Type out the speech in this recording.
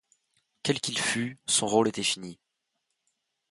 Quel qu’il fût, son rôle était fini.